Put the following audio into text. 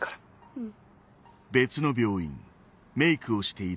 うん。